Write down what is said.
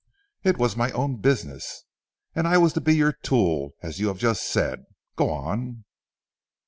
"It was my own business." "And I was to be your tool, as you have just said. Go on."